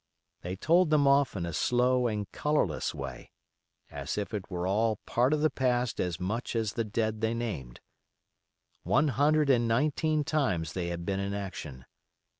They told them off in a slow and colorless way, as if it were all part of the past as much as the dead they named. One hundred and nineteen times they had been in action.